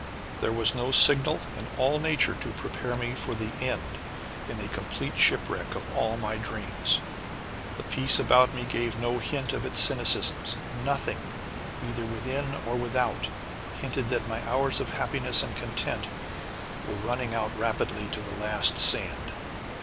There was no signal in all nature to prepare me for the end in a complete shipwreck of all my dreams. The peace about me gave no hint of its cynicism. Nothing, either within or without, hinted that my hours of happiness and content were running out rapidly to the last sand!